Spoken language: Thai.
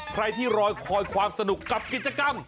ใครที่รอคอยความสนุกกับกิจกรรม